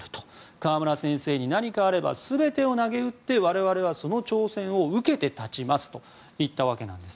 河村先生に何かあれば全てを投げ打って我々はその挑戦を受けて立ちますと言ったわけです。